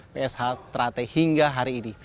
psht hingga hari ini